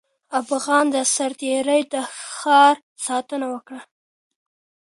افغان سرتېري د ښار ساتنه وکړه.